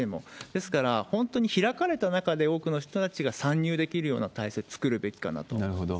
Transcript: ですから、本当に開かれた中で多くの人たちが参入できるような体制作るべきなるほど。